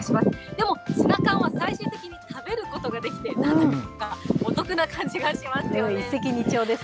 でもツナ缶は最終的に食べることができて、お得な感じがしますよね。